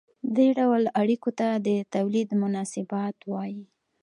دې ډول اړیکو ته د تولید مناسبات وايي.